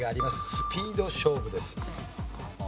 スピード勝負です。